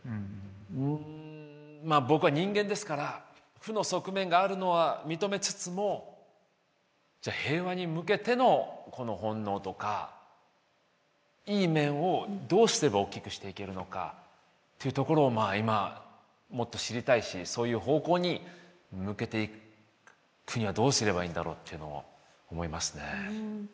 うんまあ僕は人間ですから負の側面があるのは認めつつもじゃ平和に向けての本能とかいい面をどうすれば大きくしていけるのかっていうところを今もっと知りたいしそういう方向に向けていくにはどうすればいいんだろうっていうのを思いますね。